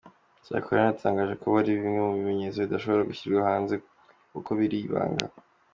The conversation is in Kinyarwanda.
Cyakora yanatangaje ko hari bimwe mu bimenyetso bidashobora gushyirwa hanze ngo kuko bikiri ibanga.